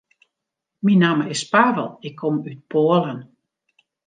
Myn namme is Pavel, ik kom út Poalen.